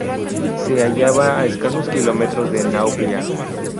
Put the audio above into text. Se hallaba a escasos kilómetros de Nauplia.